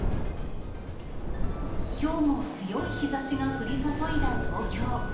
きょうも強い日ざしが降り注いだ東京。